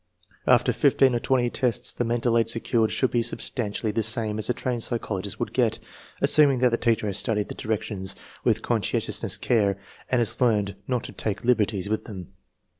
After fifteen or twenty tests the mental age secured should be substantially the same as a trained psychologist would get, assuming that the teacher has studied the directions with con scientious care and has learned not to take liberties with them.